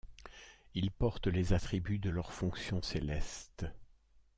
Ils portent les attributs de leurs fonction céleste.